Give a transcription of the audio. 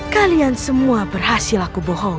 kalian semua berhasil aku bohong